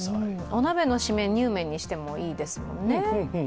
お鍋のしめ、にゅうめんにしてもいいですもんね。